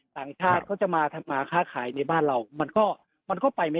ต่างชาติก็จะมาทำมาค่าขายในบ้านเรามันก็ไปไม่ได้